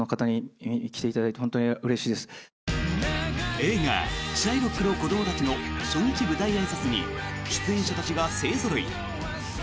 映画「シャイロックの子供たち」の初日舞台あいさつに出演者たちが勢ぞろい。